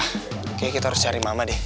oke kita harus cari mama deh